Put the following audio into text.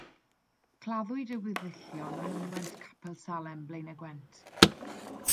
Claddwyd ei weddillion ym mynwent Capel Salem, Blaenau Gwent.